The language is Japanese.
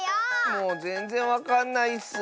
もうぜんぜんわかんないッス！